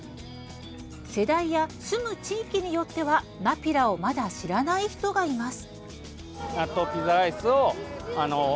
世代や住む地域によってはナピラをまだ知らない人がいます。